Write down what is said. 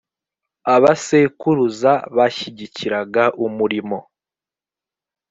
abasekuruza bashyigikiraga umurimo